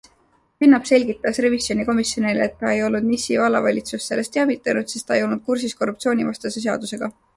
Künnap selgitas revisjonikomisjonile, et ta ei olnud Nissi vallavalitsust sellest teavitanud, sest ta ei olnud kursis korruptsioonivastase seadusega.